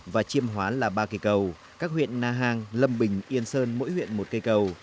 và chiêm hóa là ba cây cầu các huyện na hàng lâm bình yên sơn mỗi huyện một cây cầu